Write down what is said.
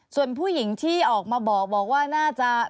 ส่วนผู้หญิงที่ออกมาบอกว่าน่าจะ